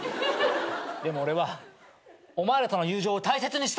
でも俺はお前らとの友情を大切にしたいから。